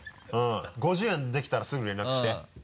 五十音できたらすぐ連絡して。